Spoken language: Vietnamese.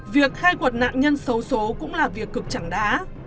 việc khai quật nạn nhân xấu số cũng là việc cực chẳng đá